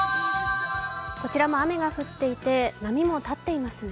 こちらも雨が降っていて波も立っていますね。